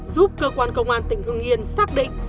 giúp cơ quan công an tỉnh hưng yên xác định